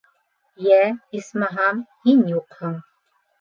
Йә, исмаһам, һин юҡһың.